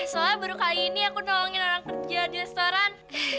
soalnya baru kali ini aku nolongin orang kerja di restoran